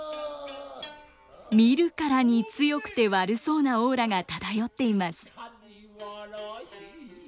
見るからに強くて悪そうなオーラが漂っています。